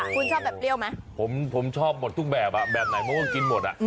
คุณชอบแบบเปรี้ยวไหมผมชอบหมดทุกแบบแบบไหนมันก็กินหมดอ่ะ